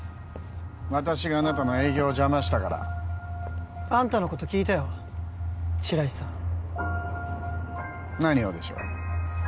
私があなたの営業を邪魔したからあんたのこと聞いたよ白石さん何をでしょう